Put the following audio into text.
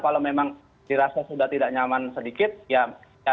kalau memang dirasa sudah tidak nyaman sedikit ya